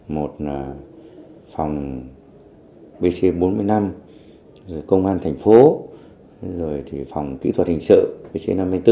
một là phòng bc bốn mươi năm công an thành phố phòng kỹ thuật hình sự bc năm mươi bốn